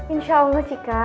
insya allah cika